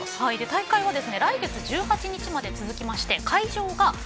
大会は来月１８日まで続きまして、８会場